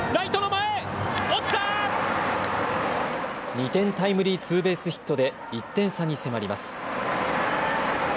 ２点タイムリーツーベースヒットで１点差に迫ります。